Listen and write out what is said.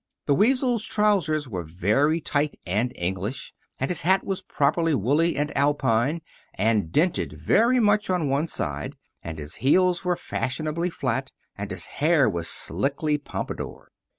The weasel's trousers were very tight and English, and his hat was properly woolly and Alpine and dented very much on one side and his heels were fashionably flat, and his hair was slickly pompadour.